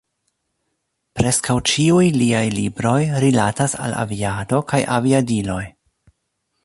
Preskaŭ ĉiuj liaj libroj rilatas al aviado kaj aviadiloj.